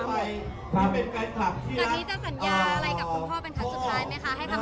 มีต้นทีงานอยู่แล้ว